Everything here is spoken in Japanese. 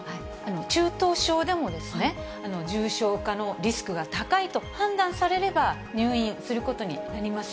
中等症でも、重症化のリスクが高いと判断されれば、入院することになります。